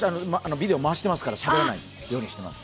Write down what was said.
ビデオ回してますからしゃべらないようにしてます。